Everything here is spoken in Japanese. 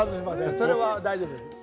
それは大丈夫です。